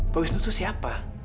mas wisnu itu siapa